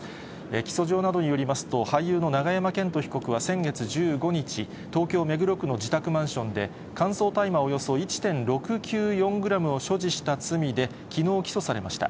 起訴状などによりますと、俳優の永山絢斗被告は先月１５日、東京・目黒区の自宅マンションで、乾燥大麻およそ１．６９４グラムを所持した罪で、きのう起訴されました。